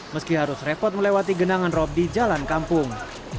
meski harus repot melewati genangan rob di jalan kampung